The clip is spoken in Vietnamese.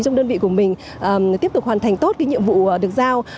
trong đơn vị của mình tiếp tục hoàn thành tốt cái nhiệm vụ được giao